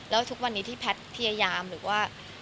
แล้วทุกวันนี้ที่แพทย์พยายามหรือว่า